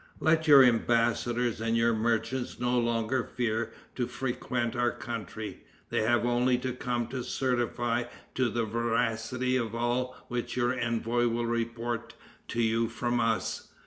Let your embassadors and your merchants no longer fear to frequent our country. They have only to come to certify to the veracity of all which your envoy will report to you from us.